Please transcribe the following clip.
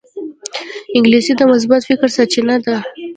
انګلیسي د مثبت فکر سرچینه ده